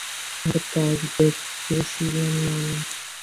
ওদের কাজ দেখছিলাম যে আমি।